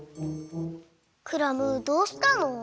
クラムどうしたの？